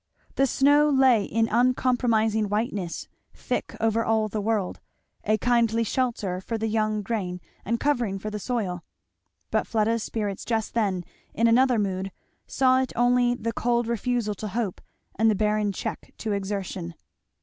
The snow lay in uncompromising whiteness thick over all the world; a kindly shelter for the young grain and covering for the soil; but Fleda's spirits just then in another mood saw in it only the cold refusal to hope and the barren check to exertion.